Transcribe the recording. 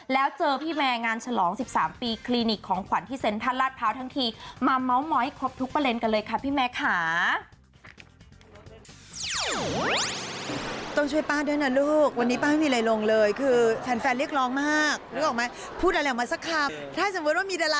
แล้วเจอพี่แม่งานฉลองสิบสามปีคลินิกของขวัญที่เซ็นทร์ท่านลาดพร้าวทั้งที